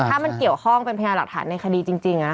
ถ้ามันเกี่ยวข้องเป็นพยานหลักฐานในคดีจริง